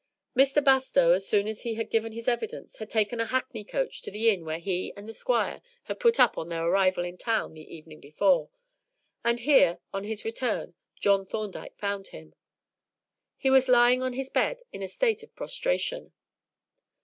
Mr. Bastow, as soon as he had given his evidence, had taken a hackney coach to the inn where he and the Squire had put up on their arrival in town the evening before, and here, on his return, John Thorndyke found him. He was lying on his bed in a state of prostration.